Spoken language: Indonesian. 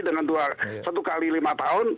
dengan satu x lima tahun